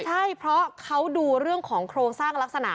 ใช่เพราะเขาดูเรื่องของโครงสร้างลักษณะ